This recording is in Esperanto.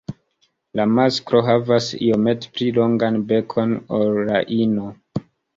La masklo havas iomete pli longan bekon ol la ino.